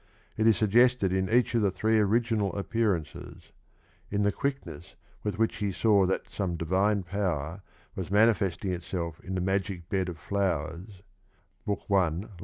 It is suggested in each of the three original appearances; in the quickness with which he saw that some divine power was manifesting itself in the magic bed of flowers (I.